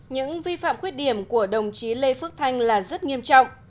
những vi phạm khuyết điểm của đồng chí lê phước thanh là rất nghiêm trọng